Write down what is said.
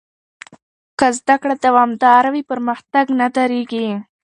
که زده کړه دوامداره وي، پرمختګ نه درېږي.